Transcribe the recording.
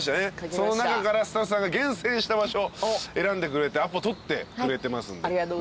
その中からスタッフさんが厳選した場所を選んでくれてアポ取ってくれてますんで巡っていきたいと思います。